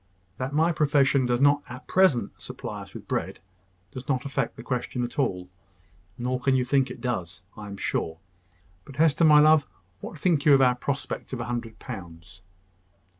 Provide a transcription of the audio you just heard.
That my profession does not at present supply us with bread does not affect the question at all: nor can you think that it does, I am sure. But Hester, my love, what think you of our prospect of a hundred pounds?"